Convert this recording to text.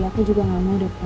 aku juga gak mau datang